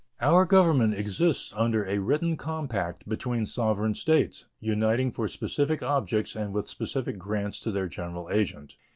Our Government exists under a written compact between sovereign States, uniting for specific objects and with specific grants to their general agent.